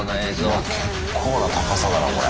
いや結構な高さだなこれ。